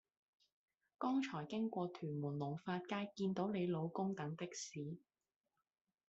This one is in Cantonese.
剛才經過屯門龍發街見到你老公等的士